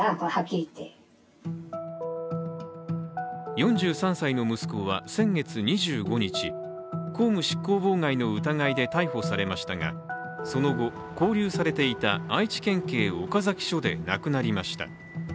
４３歳の息子は先月２５日公務執行妨害の疑いで逮捕されましたがその後、勾留されていた愛知県警岡崎署で亡くなりました。